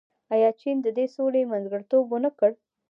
آیا چین د دې سولې منځګړیتوب ونه کړ؟